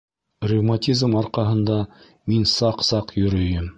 Ревматизм арҡаһында мин саҡ-саҡ йөрөйөм